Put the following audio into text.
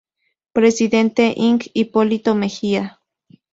Presidente Ing. Hipólito Mejía.